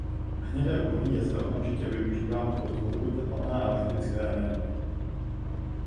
Hnědé uhlí je zde okamžitě využíváno pro tvorbu tepelné a elektrické energie.